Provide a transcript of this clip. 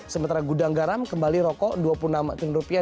sementara gudang garam kembali rokok dua puluh enam triliun rupiah